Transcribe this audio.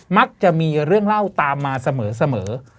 มักจะมีเรื่องเล่าตามมาเสมอ